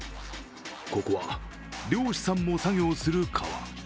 ここは漁師さんも作業する川。